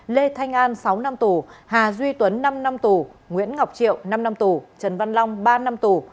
lê thanh an sáu năm tù hà duy tuấn năm năm tù nguyễn ngọc triệu năm năm tù trần văn long ba năm tù